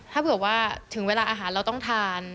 ถ้าเผื่อว่าถึงเวลาอาหารเราต้องทาน